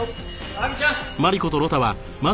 亜美ちゃん！